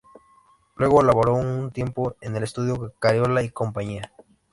Luego laboró un tiempo en el estudio "Cariola y Compañía".